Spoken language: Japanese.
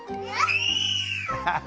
ハハハハ。